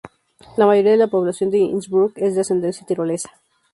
La mayoría de la población de Innsbruck es de ascendencia tirolesa.